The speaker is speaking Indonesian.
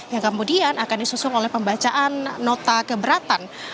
yang kemudian akan disusun oleh pembacaan nota keberatan